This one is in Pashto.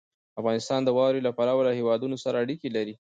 افغانستان د واورې له پلوه له هېوادونو سره اړیکې لري.